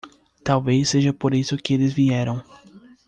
Talvez seja por isso que eles vieram.